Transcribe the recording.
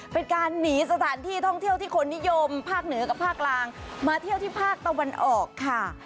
เป็นการหนีสถานที่ท่องเที่ยวที่คนนิยมภาคเหนือกับภาคกลางมาเที่ยวที่ภาคตะวันออกค่ะ